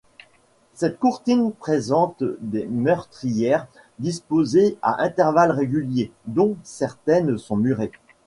Cette courtine présente des meurtrières disposées à intervalles réguliers, dont certaines sont murées.